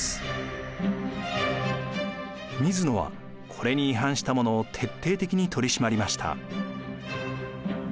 水野はこれに違反した者を徹底的に取り締まりました。